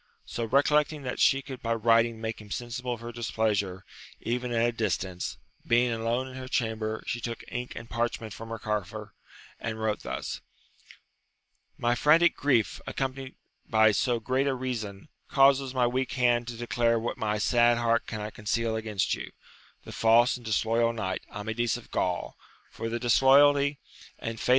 So recollecting that she could by writing make him sensible of her displeasure, even at a distance, being alone in her chamber, she took ink and parchment from her coffer, and wrote thus ; My frantic grief, accompanied by so great a reason, causes my weak hand to declare what my sad heart cannot conceal against you, the false and disloyal knight, Amadis of Gaul ; for the disloyalty and faith * The Spanish writer moralizes here a little upon the muta bility of fortune.